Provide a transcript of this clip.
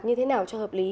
như thế nào cho hợp lý